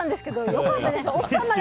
良かったです。